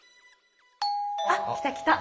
あ来た来た。